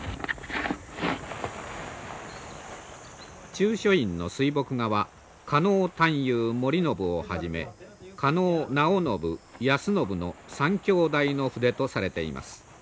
中書院の水墨画は狩野探幽守信をはじめ狩野尚信安信の３兄弟の筆とされています。